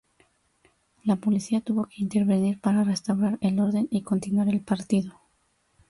La policía tuvo que intervenir para restaurar el orden y continuar el partido.